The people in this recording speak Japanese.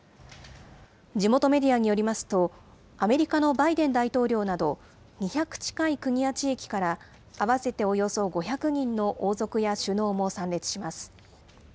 地元メディアによりますと、アメリカのバイデン大統領など、２００近い国や地域から合わせておよそ５００人の王族や首脳も参列します。